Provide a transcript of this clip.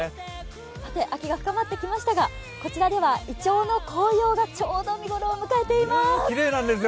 さて、秋が深まってきましたがこちらではいちょうの紅葉がちょうど見頃を迎えています。